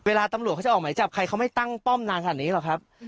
ตำรวจเขาจะออกหมายจับใครเขาไม่ตั้งป้อมนานขนาดนี้หรอกครับ